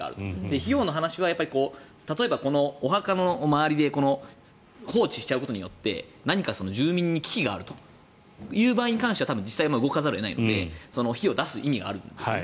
費用の話は例えばこのお墓の周りで放置しちゃうことによって何か住民に危機があるという場合に関しては自治体は動かざるを得ないので費用を出す意味があるんですね。